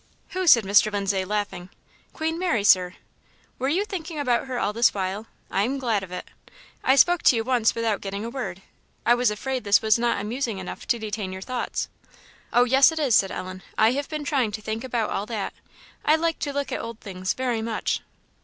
"Who?" said Mr. Lindsay, laughing. "Queen Mary, Sir." "Were you thinking about her all this while? I am glad of it. I spoke to you once without getting a word. I was afraid this was not amusing enough to detain your thoughts." "Oh yes, it is," said Ellen; "I have been trying to think about all that. I like to look at old things very much."